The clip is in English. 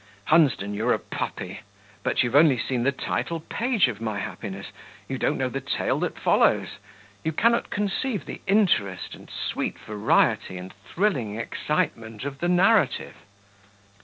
"Hunsden, you're a puppy. But you've only seen the title page of my happiness; you don't know the tale that follows; you cannot conceive the interest and sweet variety and thrilling excitement of the narrative."